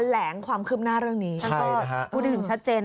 แถลงความคืบหน้าเรื่องนี้ใช่นะฮะพูดถึงชัดเจนนะเออ